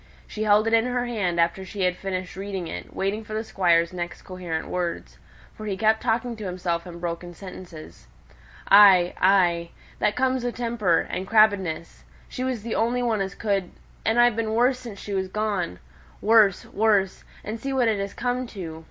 She held it in her hand after she had finished reading it, waiting for the Squire's next coherent words; for he kept talking to himself in broken sentences. "Ay, ay! that comes o' temper, and crabbedness. She was the only one as could, and I've been worse since she was gone. Worse! worse! and see what it has come to!